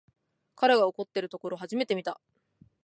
彼が怒ってるところ初めて見た